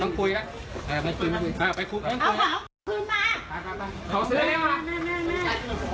เอาของไอ้ป๊าอยากรอช่วยมั้ยเอาของไอ้ป๊าทำไมมึงก็เป็นผู้ชาย